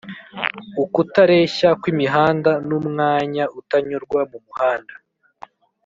ukutareshya kw' imihanda n' umwanya utanyurwa mumuhanda